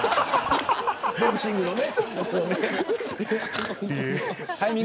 ボクシングのね。